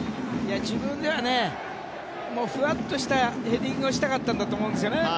自分ではふわっとしたヘディングをしたかったと思うんですよね。